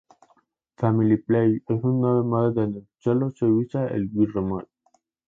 Family Play es un nuevo modo donde sólo se usa el Wii Remote.